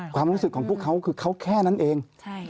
ความรู้สึกของพวกเขาคือเขาแค่นั้นเอง